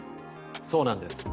そうなんです。